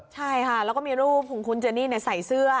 ใช่ค่ะแล้วก็มีรูปของคุณเจนี่ใส่เสื้อ